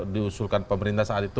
diusulkan pemerintah saat itu